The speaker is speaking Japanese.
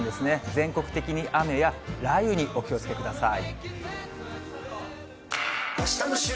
全国的に雨や雷雨にお気をつけください。